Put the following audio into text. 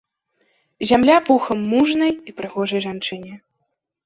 Зямля пухам мужнай і прыгожай жанчыне!